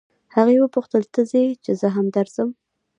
هغې وپوښتل ته ځې چې زه هم درځم.